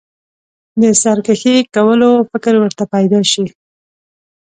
د سرکښي کولو فکر ورته پیدا شي.